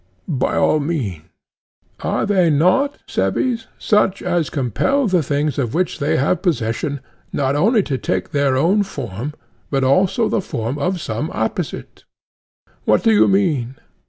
By all means. Are they not, Cebes, such as compel the things of which they have possession, not only to take their own form, but also the form of some opposite? What do you mean?